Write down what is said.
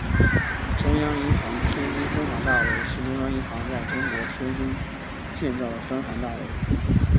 中央银行天津分行大楼是中央银行在中国天津建造的分行大楼。